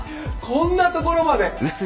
こんなところまで。